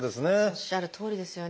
おっしゃるとおりですよね。